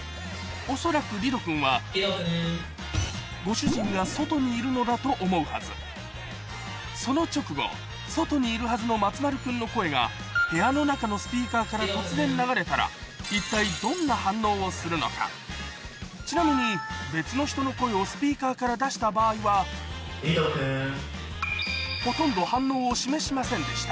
恐らくリドくんはご主人が外にいるのだと思うはずその直後外にいるはずの松丸君の声が部屋の中のスピーカーから突然流れたら一体ちなみに別の人の声をスピーカーから出した場合はほとんど反応を示しませんでした